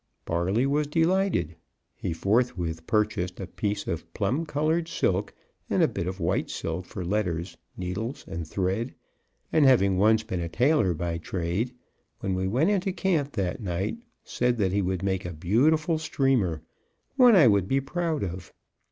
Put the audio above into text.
Barley was delighted. He forthwith purchased a piece of plum colored silk and a bit of white silk for letters, needles and thread, and, having once been a tailor by trade, when we went into camp that night said that he would make a beautiful streamer, one I would be proud of.